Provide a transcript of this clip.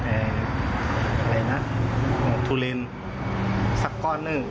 อะไรนะทุเรียนสักก้อนหนึ่ง